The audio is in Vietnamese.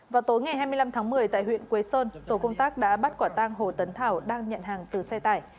vào tối ngày hai mươi năm tháng một mươi tại huyện quế sơn tổ công tác đã bắt quả tang hồ tấn thảo đang nhận hàng từ xe tải